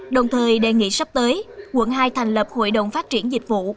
đồng thời đề nghị sắp tới quận hai thành lập hội đồng phát triển dịch vụ